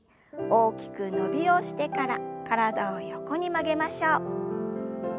大きく伸びをしてから体を横に曲げましょう。